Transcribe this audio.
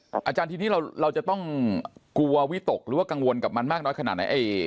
อาจารย์ทีนี้เราจะต้องกลัววิตกหรือว่ากังวลกับมันมากน้อยขนาดไหน